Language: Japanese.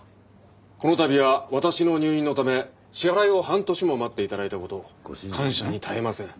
この度は私の入院の為支払いを半年も待っていただいたこと感謝に堪えません。